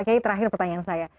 oke pak kay terakhir pertanyaan saya